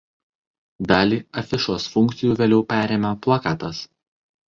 Dalį afišos funkcijų vėliau perėmė plakatas.